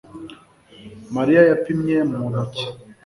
Mariya yapimye mu ntoki